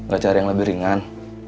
gak cari yang lebih ringan